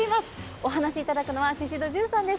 お話いただくのは宍戸純さんです。